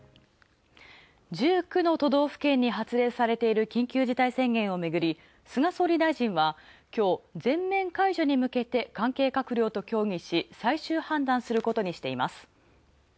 １９の都道府県に発令されている緊急事態宣言菅総理大臣は、今日、全面解除に向けて最終判断するとしています。